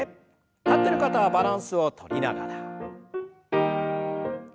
立ってる方はバランスをとりながら。